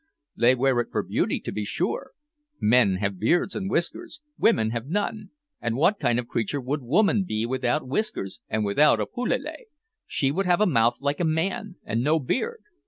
"They wear it for beauty, to be sure! Men have beards and whiskers; women have none, and what kind of creature would woman be without whiskers, and without a pelele? She would have a mouth like a man, and no beard!"